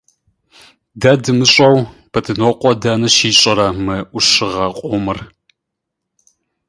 Дэ дымыщӀэу, Бэдынокъуэ дэнэ щищӀэрэ мы Ӏущыгъэ къомыр?